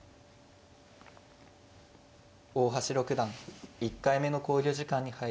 大橋六段１回目の考慮時間に入りました。